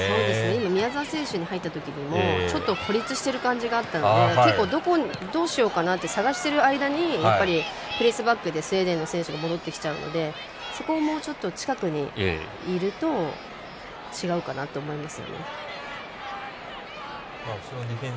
今、宮澤選手に入ったときにもちょっと孤立している感じがあったので結構、どうしようかなって探してる間にやっぱり、プレスバックでスウェーデンの選手が戻ってきてしまうので近くにいると違うかなと思います。